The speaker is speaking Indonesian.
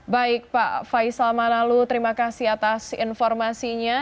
baik pak faisal manalu terima kasih atas informasinya